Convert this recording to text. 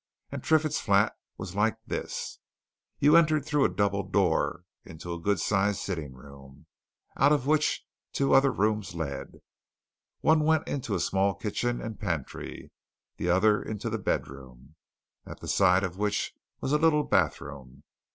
And Triffitt's flat was like this you entered through a double door into a good sized sitting room, out of which two other rooms led one went into a small kitchen and pantry; the other into the bedroom, at the side of which was a little bathroom.